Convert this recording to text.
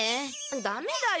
ダメだよ！